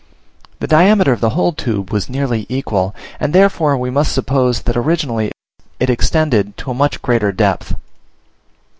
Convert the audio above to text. The diameter of the whole tube was nearly equal, and therefore we must suppose that originally it extended to a much greater depth.